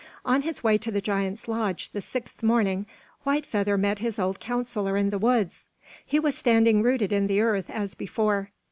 On his way to the giant's lodge the sixth morning, White Feather met his old counsellor in the woods. He was standing rooted in the earth, as before.